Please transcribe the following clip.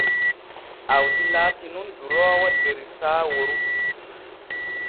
Awdi laati nun duroowo der Saaworu.